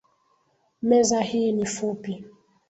Meza hii ni fupi